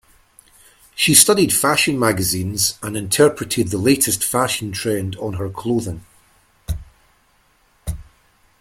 She studied fashion magazines and interpreted the latest fashion trend on her clothing.